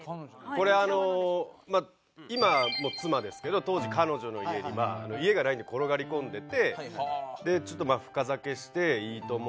これあの今もう妻ですけど当時彼女の家に家がないんで転がり込んでてちょっと深酒して『いいとも！』